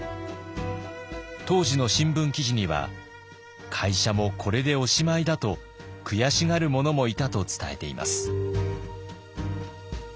当時の新聞記事には会社もこれでおしまいだと悔しがる者もいたと伝えています。